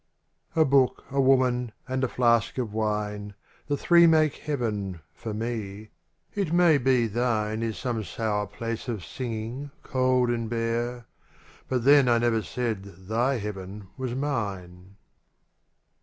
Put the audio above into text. BOOK, a Woman, and a Flask of Wine, The three make heaven — for me; it may be thine Is some sour place of singing cold and bare — But then I never said thy heaven was mine.